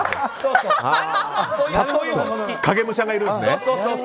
影武者がいるんですね。